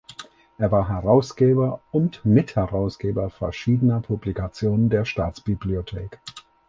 Er war Herausgeber und Mitherausgeber verschiedener Publikationen der Staatsbibliothek.